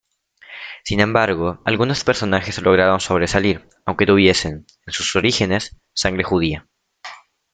Sin embargo, algunos personajes lograron sobresalir aunque tuviesen, en sus orígenes, sangre judía.